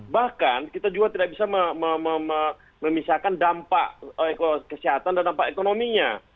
bahkan kita juga tidak bisa memisahkan dampak kesehatan dan dampak ekonominya